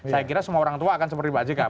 saya kira semua orang tua akan seperti pak jk